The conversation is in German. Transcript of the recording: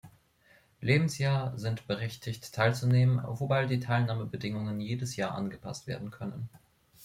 Lebensjahr sind berechtigt teilzunehmen, wobei die Teilnahmebedingungen jedes Jahr angepasst werden können.